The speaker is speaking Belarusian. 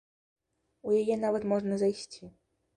У яе нават можна зайсці.